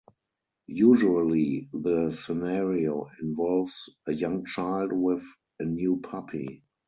Usually, the scenario involves a young child with a new puppy.